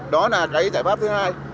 đó là cái giải pháp thứ hai